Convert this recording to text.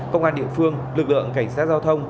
công an địa phương lực lượng cảnh sát giao thông